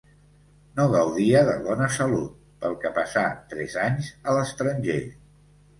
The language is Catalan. No gaudia de bona salut, pel que passà tres anys a l'estranger.